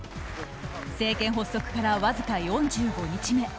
政権発足からわずか４５日目。